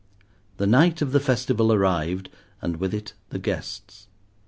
The night of the festival arrived, and with it the guests.